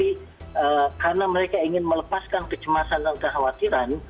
tapi karena mereka ingin melepaskan kecemasan dan kekhawatiran